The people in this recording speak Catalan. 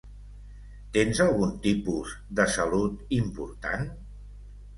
Tens algun tipus de salut important?